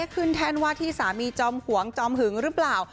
แท่นว่าที่สามีจอมหวงจอมหึงหรือเปล่า